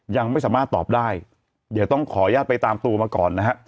ยังไม่สามารถตอบได้เดี๋ยวต้องขออนุญาตไปตามตัวมาก่อนนะฮะ